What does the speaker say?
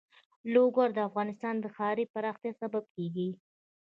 لوگر د افغانستان د ښاري پراختیا سبب کېږي.